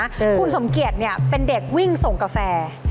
คุณสมเกียจเนี่ยเป็นเด็กวิ่งส่งกาแฟ